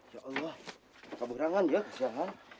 ya allah tak bergerangan ya kasihan kang